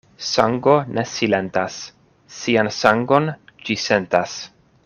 Sango ne silentas, sian sangon ĝi sentas.